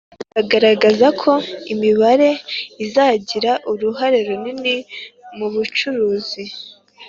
bagaragaza ko imibare izagira uruhare runini mubucuruzi